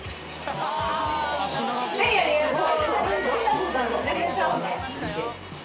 ・はいありがとう。